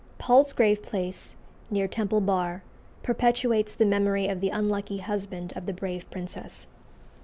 Palsgrave Place, near Temple Bar, perpetuates the memory of the unlucky husband of the brave princess.